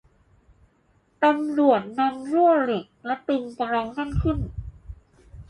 ตำรวจนำรั่วเหล็กและตึงกำลังแน่นขึ้น